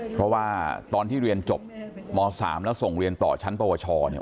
เพราะว่าตอนที่เรียนจบม๓แล้วส่งเรียนต่อชั้นปวชเนี่ย